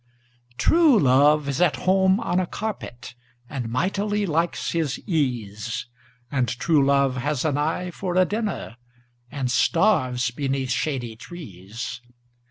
True love is at home on a carpet, And mightily likes his ease And true love has an eye for a dinner, And starves beneath shady trees.